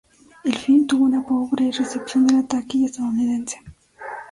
El film tuvo una pobre recepción en la taquilla estadounidense.